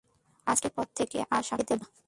আজকের পর থেকে আর শাকসবজি খেতে বলবে না।